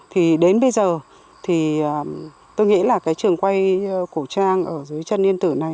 thì đến bây giờ thì tôi nghĩ là cái trường quay cổ trang ở dưới chân yên tử này